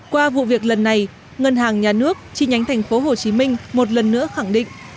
qua vụ việc lần này ngân hàng nhà nước chi nhánh thành phố hồ chí minh một lần nữa khẳng định